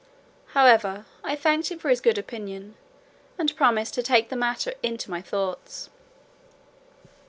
However, I thanked him for his good opinion, and promised to take the matter into my thoughts."